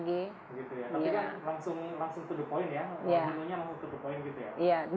gitu ya tapi kan langsung to the point ya menu nya langsung to the point gitu ya